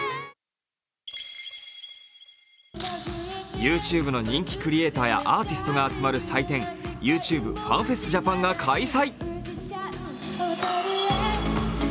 ＹｏｕＴｕｂｅの人気クリエーターやアーティストなどが集まる祭典ＹｏｕＴｕｂｅＦａｎｆｅｓｔＪａｐａｎが開催。